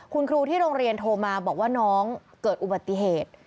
คุณครูที่โรงเรียนโทรมาบอกว่าน้องเกิดอุบัติเหตุ